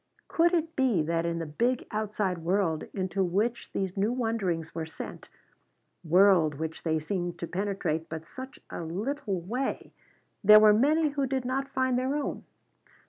Could it be that in the big outside world into which these new wonderings were sent, world which they seemed to penetrate but such a little way, there were many who did not find their own?